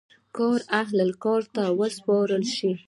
کار اهل کار ته وسپارل شي.